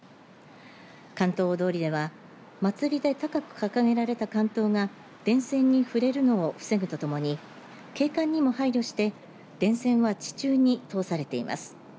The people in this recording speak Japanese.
竿燈大通りでは祭りで高く掲げられた竿燈が電線に触れるのを防ぐとともに景観にも配慮して電線は地中に通されています。